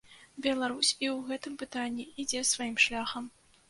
Беларусь і ў гэтым пытанні ідзе сваім шляхам.